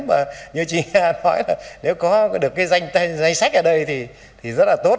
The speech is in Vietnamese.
mà như chị nói là nếu có được cái danh sách ở đây thì rất là tốt